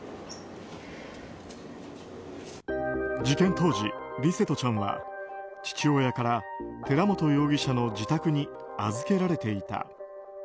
事件当時、琉聖翔ちゃんは父親から寺本容疑者の自宅に預けられていた。